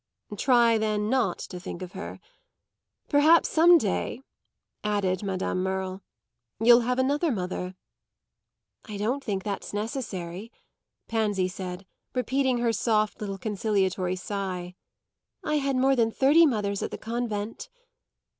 "Try then not to think of her. Perhaps some day," added Madame Merle, "you'll have another mother." "I don't think that's necessary," Pansy said, repeating her little soft conciliatory sigh. "I had more than thirty mothers at the convent."